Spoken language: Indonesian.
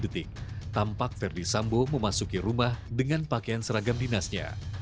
detik tampak verdi sambo memasuki rumah dengan pakaian seragam dinasnya